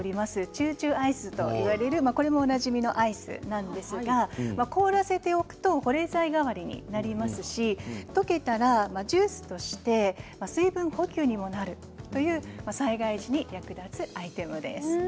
チューチューアイスといわれるこれもおなじみのアイスなんですが凍らせておくと保冷剤代わりになりますしとけたらジュースとして水分補給にもなるという災害時に役立つアイテムです。